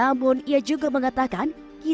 namun ia juga memiliki kekuatan yang sangat tinggi